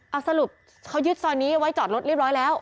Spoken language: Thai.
เอาสรุปเขายึดซอยนี้ไว้จอดรถเรียบร้อยแล้ว